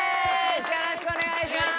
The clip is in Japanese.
よろしくお願いします。